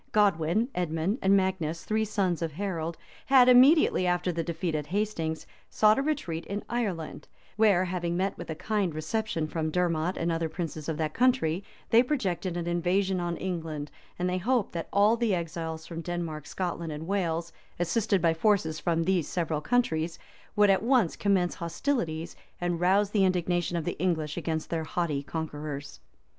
Godwin, Edmond, and Magnus, three sons of Harold, had, immediately after the defeat at Hastings, sought a retreat in Ireland, where, having met with a kind reception from Dermot and other princes of that country, they projected an invasion on England, and they hoped that all the exiles from Denmark, Scotland, and Wales, assisted by forces from these several countries, would at once commence hostilities, and rouse the indignation of the English against their haughty conquerors.